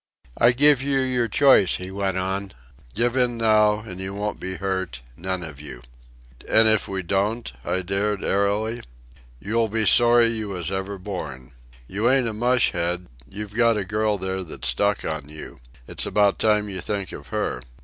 "I give you your choice," he went on. "Give in now, an' you won't be hurt, none of you." "And if we don't?" I dared airily. "You'll be sorry you was ever born. You ain't a mush head, you've got a girl there that's stuck on you. It's about time you think of her.